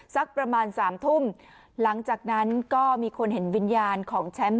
สักประมาณสามทุ่มหลังจากนั้นก็มีคนเห็นวิญญาณของแชมป์